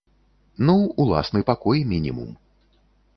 Ну, уласны пакой мінімум.